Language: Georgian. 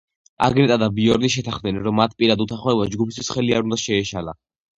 აგნეტა და ბიორნი შეთანხმდნენ, რომ მათ პირად უთანხმოებას ჯგუფისთვის ხელი არ უნდა შეეშალა.